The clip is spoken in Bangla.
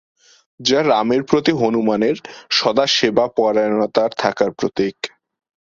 যা রামের প্রতি হনুমানের সদা-সেবাপরায়ণতার থাকার প্রতীক।